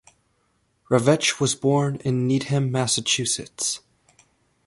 Ravech was born in Needham, Massachusetts.